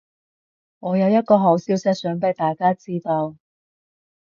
我有一個好消息想畀大家知道